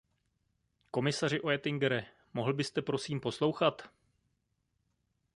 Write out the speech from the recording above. Komisaři Oettingere, mohl byste, prosím, poslouchat?